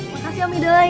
makasih om ydhoi